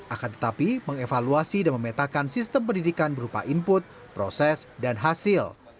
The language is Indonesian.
akan tetapi mengevaluasi dan memetakan sistem pendidikan berupa input proses dan hasil